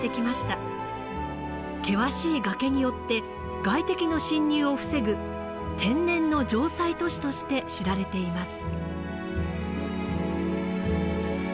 険しい崖によって外敵の侵入を防ぐ天然の城塞都市として知られています。